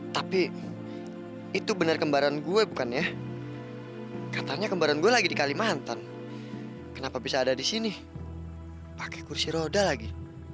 tapi itu benar kembaran gue bukan ya katanya kembaran gue lagi di kalimantan kenapa bisa ada di sini pakai kursi roda lagi